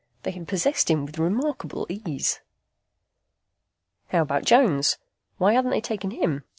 They had possessed him with remarkable ease. How about Jones? Why hadn't they taken him?